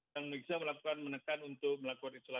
dan bisa melakukan menekan untuk melakukan tes yang cepat